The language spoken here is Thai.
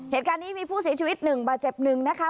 เหตุการณ์นี้มีผู้เสียชีวิต๑บาทเจ็บหนึ่งนะคะ